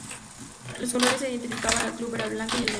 Los colores que identificaban al club eran el blanco y el negro.